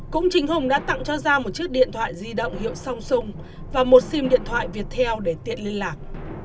cũng chính hùng đã tặng cho ra một chiếc điện thoại di động hiệu samsung và một sim điện thoại viettel để tiện liên lạc